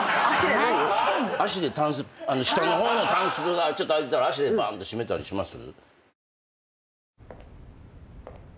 下の方のタンスが開いてたら足でバンって閉めたりします？